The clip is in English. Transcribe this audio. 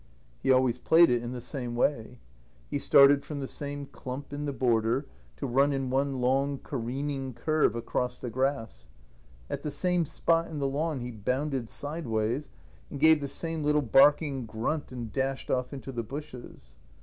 He always played it in the same way. He started from the same clump in the border, to run in one long careening curve across the grass; at the same spot in the lawn he bounded sideways and gave the same little barking grunt and dashed off into the bushes.